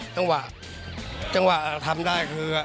จังหวะจังหวะทำได้คือ